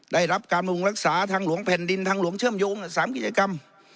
ได้รับการบำรุงรักษาทางหลวงแผ่นดินทางหลวงเชื่อมโยง๓กิจกรรม